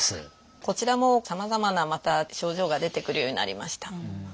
こちらもさまざまなまた症状が出てくるようになりました。